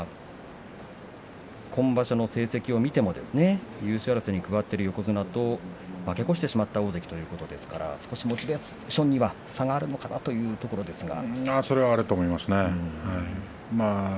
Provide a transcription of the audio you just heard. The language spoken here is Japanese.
今場所の成績を見ても優勝争いに加わっている横綱と負け越してしまった大関ということですからモチベーションには差があるのかなというところですが。